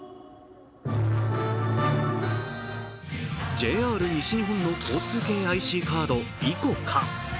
ＪＲ西日本の交通系ＩＣカードＩＣＯＣＡ。